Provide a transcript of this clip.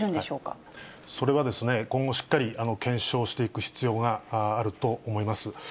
それは、今後しっかり検証していく必要があると思います。